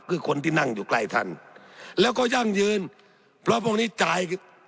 คือคนที่นั่งอยู่ใกล้ท่านแล้วก็ยั่งยืนเพราะพวกนี้จ่าย